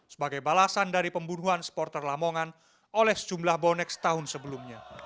sebagai balasan dari pembunuhan supporter lamongan oleh sejumlah bonek setahun sebelumnya